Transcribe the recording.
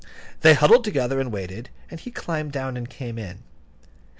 They huddled together, and waited; and he climbed down, and came in.